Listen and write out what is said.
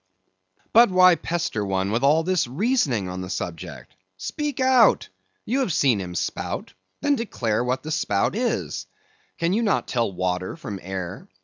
But why pester one with all this reasoning on the subject? Speak out! You have seen him spout; then declare what the spout is; can you not tell water from air?